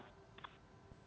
kita harus membutuhkan